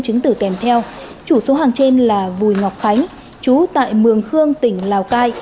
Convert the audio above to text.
đến từ kèm theo chủ số hàng trên là vùi ngọc khánh chú tại mường khương tỉnh lào cai